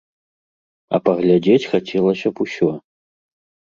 А паглядзець хацелася б усё!